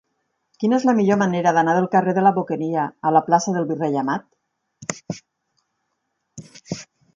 Quina és la millor manera d'anar del carrer de la Boqueria a la plaça del Virrei Amat?